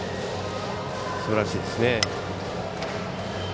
すばらしいですね。